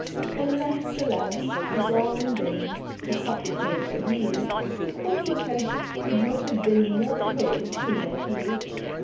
Alas! alas! 'twas all in vain, to supplicate and kneel, The quadruped could not have been more cold to my appeal!